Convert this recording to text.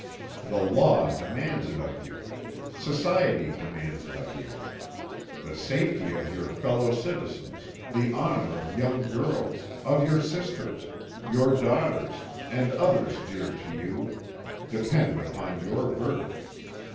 The law demands it of you; society demands it of you. The safety of your fellow citizens, the honour of young girls, of your sisters, your daughters, and others dear to you, depend upon your verdict.